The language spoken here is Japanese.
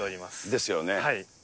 ですよね。